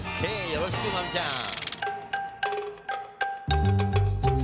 よろしく真海ちゃん！